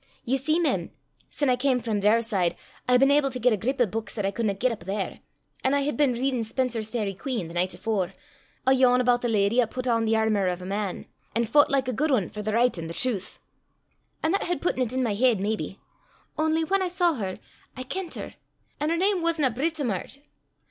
Ye see, mem, sin I cam frae Daurside, I hae been able to get a grip o' buiks 'at I cudna get up there; an' I hed been readin' Spenser's Fairy Queen the nicht afore, a' yon aboot the lady 'at pat on the airmour o' a man, an' foucht like a guid ane for the richt an' the trowth an' that hed putten 't i' my heid maybe; only whan I saw her, I kent her, an' her name wasna Britomart.